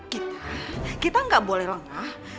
kita kita nggak boleh lengah